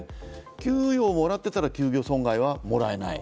給与をもらっていたら給与損害はもらえない。